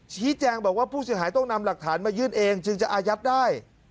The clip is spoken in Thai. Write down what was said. ชี้แจงบอกว่าผู้เสียหายต้องนำหลักฐานมายื่นเองจึงจะอายัดได้